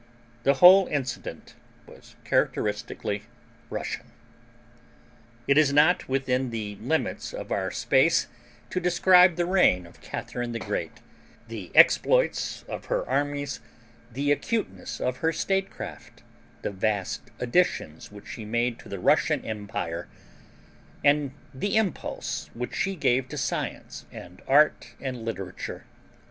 The whole incident was characteristically Russian. It is not within the limits of our space to describe the reign of Catharine the Great the exploits of her armies, the acuteness of her statecraft, the vast additions which she made to the Russian Empire, and the impulse which she gave to science and art and literature.